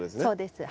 そうです。